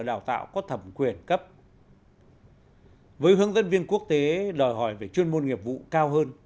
đào tạo có thẩm quyền cấp với hướng dẫn viên quốc tế đòi hỏi về chuyên môn nghiệp vụ cao hơn